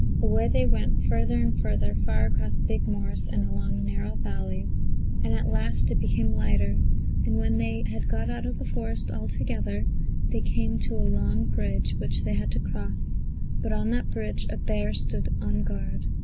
Away they went further and further, far across big moors and along narrow valleys. And at last it became lighter, and when they had got out of the forest altogether they came to a long bridge, which they had to cross. But on that bridge a bear stood on guard.